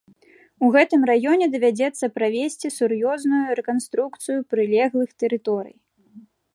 У гэтым раёне давядзецца правесці сур'ёзную рэканструкцыю прылеглых тэрыторый.